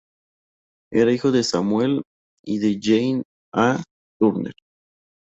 Era hijo de Samuel y de Jane A. Turner.